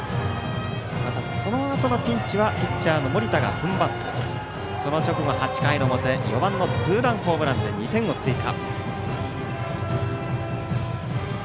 またそのあとのピンチはピッチャーの盛田がふんばってその直後８回の表４番のツーランホームランで２点を追加。